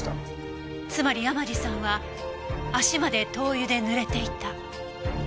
つまり山路さんは足まで灯油で濡れていた。